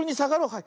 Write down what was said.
はい。